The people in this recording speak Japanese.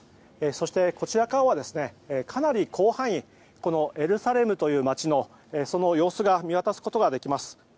そして、こちらからはかなり広範囲にエルサレムという街の様子を見渡すことができます。